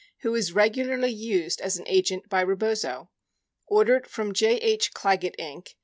who is regularly used as an agent by Rebozo, ordered from J. H. Clagett, Inc.